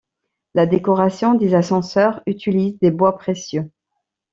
La décoration des ascenseurs utilise des bois précieux.